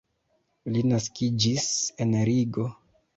Li naskiĝis en Rigo.